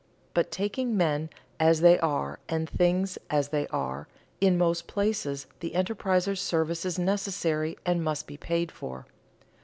But taking men as they are and things as they are, in most places the enterpriser's service is necessary and must be paid for.